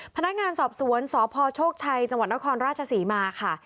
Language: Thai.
พนักงานสอบสวนสพโชคชัยจังหวัดนครราชศรีมาค่ะ